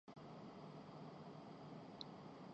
چیزوں میں وہ خوبصورتی دیکھتا ہوں جو شائد دوسرے نہیں دیکھتے